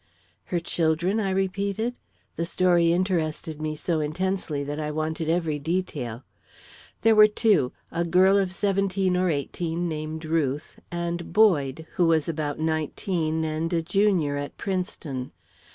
"Her children?" I repeated. The story interested me so intensely that I wanted every detail. "There were two, a girl of seventeen or eighteen, named Ruth; and Boyd, who was about nineteen, and a junior at Princeton.